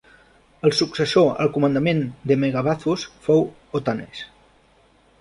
El successor al comandament de Megabazus fou Otanes.